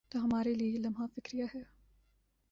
تو ہمارے لئے یہ لمحہ فکریہ ہے۔